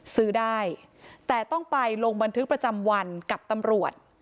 ซื้อได้แต่ต้องไปลงบันทึกประจำวันกับตำรวจ